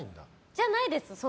じゃないです。